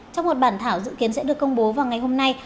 trong một bản thảo dự kiến sẽ được công bố vào ngày hôm nay